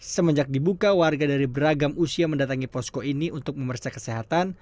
semenjak dibuka warga dari beragam usia mendatangi posko ini untuk memeriksa kesehatan